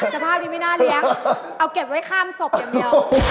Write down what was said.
สภาพที่ไม่น่าเลี้ยงเอาเก็บไว้ข้ามสกเยอะ